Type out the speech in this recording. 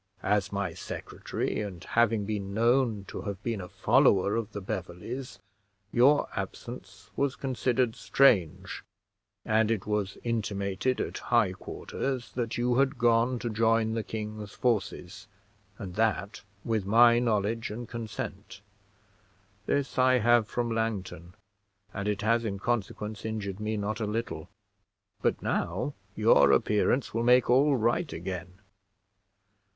As my secretary, and having been known to have been a follower of the Beverleys, your absence was considered strange, and it was intimated at high quarters that you had gone to join the king's forces, and that with my knowledge and consent. This I have from Langton; and it has in consequence injured me not a little: but now your appearance will make all right again.